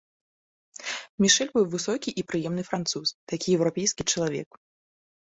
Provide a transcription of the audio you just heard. Мішэль быў высокі і прыемны француз, такі еўрапейскі чалавек.